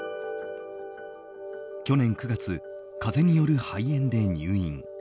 去年９月、風邪による肺炎で入院。